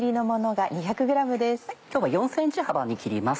今日は４ｃｍ幅に切ります。